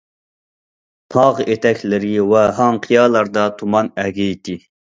تاغ ئېتەكلىرى ۋە ھاڭ، قىيالاردا تۇمان ئەگىيتتى.